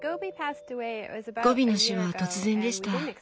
ゴビの死は突然でした。